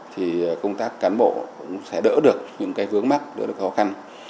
thì công tác cán bộ cũng sẽ đỡ được những cái vướng mắt đỡ là khó khăn